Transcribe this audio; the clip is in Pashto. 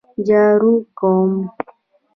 جارو کوم